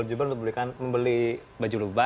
berjubel jubel membelikan membeli baju pakaian